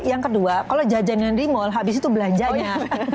yang kedua kalau jajan yang di mall habis itu belanjanya